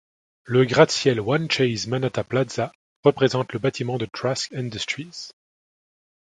Le gratte-ciel One Chase Manhattan Plaza représente le bâtiment de Trask Industries.